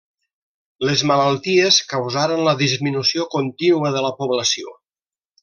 Les malalties causaren la disminució contínua de la població.